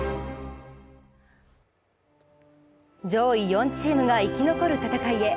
上位４チームが生き残る戦いへ。